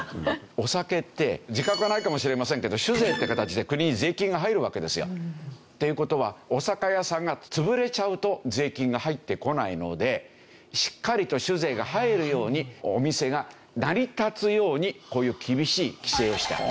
お酒って自覚がないかもしれませんけど酒税って形で国に税金が入るわけですよ。という事はお酒屋さんが潰れちゃうと税金が入ってこないのでしっかりと酒税が入るようにお店が成り立つようにこういう厳しい規制をしてある。